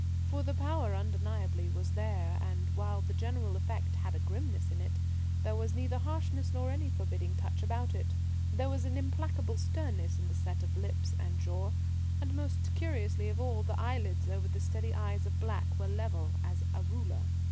For the power undeniably was there, and while the general effect had grimness in it, there was neither harshness nor any forbidding touch about it. There was an implacable sternness in the set of lips and jaw, and, most curious of all, the eyelids over the steady eyes of black were level as a ruler.